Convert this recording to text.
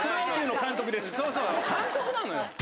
監督なのよ。